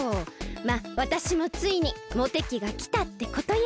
まっわたしもついにモテキがきたってことよ。